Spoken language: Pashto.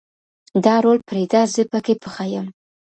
ډارول پرېده زه پکې پخه يم.